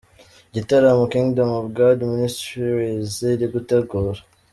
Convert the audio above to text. Igitaramo Kingdom of God Ministries iri gutegura.